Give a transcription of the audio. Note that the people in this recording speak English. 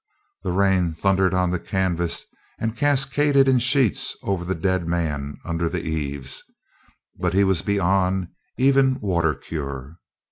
The rain thundered on the canvas and cascaded in sheets over the dead man under the eaves, but he was beyond even water cure.